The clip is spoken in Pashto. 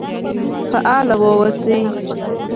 فعال و اوسئ